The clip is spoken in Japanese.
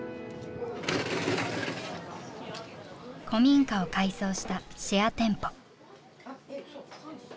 古民家を改装したシェア店舗。